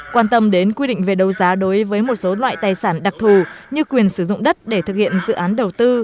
quan tâm đến quy định về đấu giá đối với một số loại tài sản đặc thù như quyền sử dụng đất để thực hiện dự án đầu tư